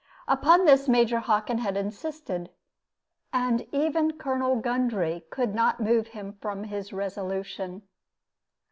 Upon this Major Hockin had insisted; and even Colonel Gundry could not move him from his resolution.